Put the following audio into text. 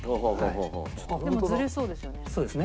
でもずれそうですよね。